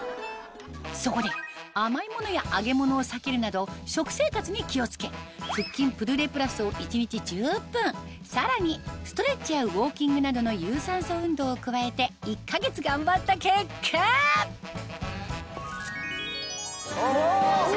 そこで甘い物や揚げ物を避けるなど食生活に気を付けさらにストレッチやウオーキングなどの有酸素運動を加えて１か月頑張った結果うわ！